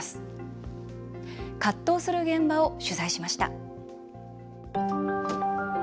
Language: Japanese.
葛藤する現場を取材しました。